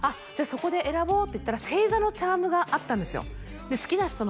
そこで選ぼうって行ったら星座のチャームがあったんですよ